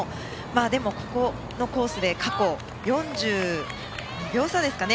でも、ここのコースで過去、４２秒差ですかね。